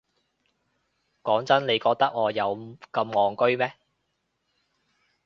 講真，你覺得我有咁戇居咩？